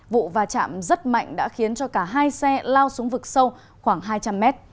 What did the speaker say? vụ và chạm rất mạnh đã khiến cho cả hai xe lao xuống vực sâu khoảng hai trăm linh mét